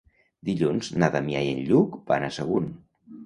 Dilluns na Damià i en Lluc van a Sagunt.